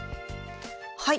はい。